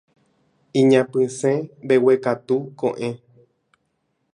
Iñapysẽ mbeguekatu koʼẽ.